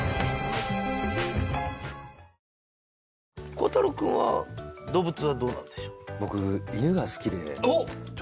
孝太郎君は動物はどうなんでしょう。